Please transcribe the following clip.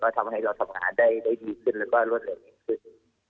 ทำให้เราทำงานได้ดีขึ้นแล้วก็รวดเร็วยิ่งขึ้น